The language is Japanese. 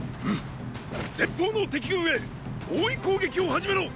前方の敵軍へ包囲攻撃を始めろォ！